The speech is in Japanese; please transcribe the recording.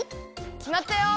きまったよ！